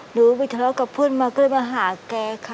หนูไปทะเลาะกับเพื่อนมาก็เลยมาหาแกค่ะ